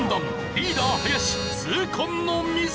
リーダー林痛恨のミス！